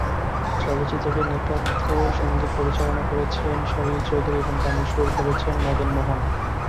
চলচ্চিত্রটির নেপথ্য সঙ্গীত পরিচালনা করেছে সলিল চৌধুরী এবং গানের সুর করেছে মদন মোহন।